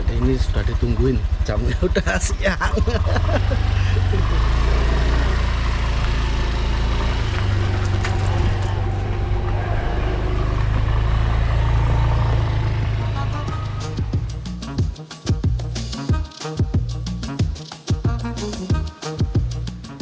ini sudah ditungguin jamnya sudah siang